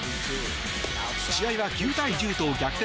試合は９対１０と逆転